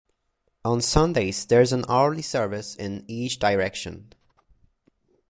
On Sundays there is an hourly service in each direction.